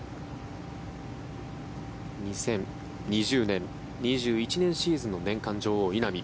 ２０２０年２１年シーズンの年間女王、稲見。